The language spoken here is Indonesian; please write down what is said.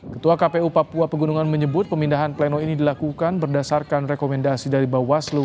ketua kpu papua pegunungan menyebut pemindahan pleno ini dilakukan berdasarkan rekomendasi dari bawaslu